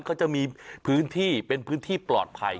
เขาจะมีพื้นที่เป็นพื้นที่ปลอดภัย